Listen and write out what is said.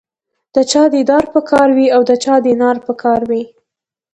د چا دیدار په کار وي او د چا دینار په کار وي.